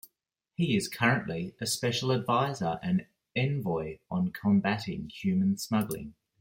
He is currently a special advisor and envoy on combating human smuggling.